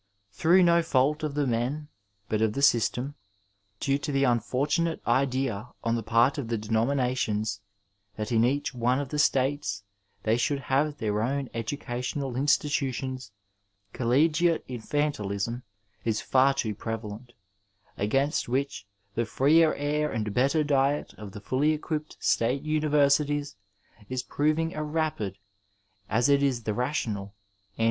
Through no fault of the men, but of the system, due to the unfortunate idea on the part of the denominations that in each one of the States they should have their own educational insti tutions, cellmate infantilism iB far too prevalent, against which the freer air and better diet of the fully equipped State Universities is proving a rapid, as it is the rational, antidote.